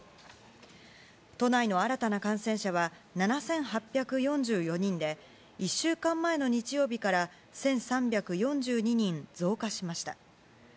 都内の新たな感染者は７８４４人で１週間前の日曜日から１３４２人増加しました。